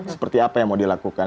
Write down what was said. seperti apa yang mau dilakukan